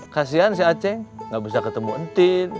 kasihan si aceng gak bisa ketemu entin